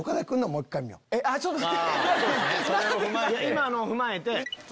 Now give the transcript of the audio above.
今のを踏まえて。